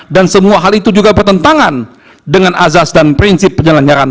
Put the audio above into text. dan semua hal itu juga bertentangan dengan azaz dan prinsip penyelenggara pemilu